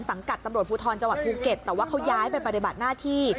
กัดตำรวจภูทรจังหวัดภูเก็ตแต่ว่าเขาย้ายไปปฏิบัติหน้าที่